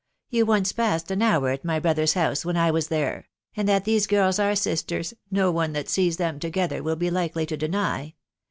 You once passed an hour at my bro ther's house when I was there .... and that these girls are sisters, no one who sees them together will be likely to deny.